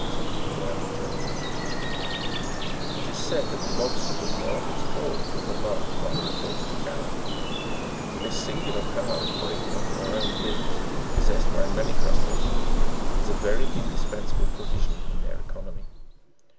T. Rymcr Jones. It is said that a lobster will throw off its claws it' alarmed by the report of a cannon. This singular power of breaking off their own limbs, pos sessed by many crustaceans, is a very indispensable provision in their economy.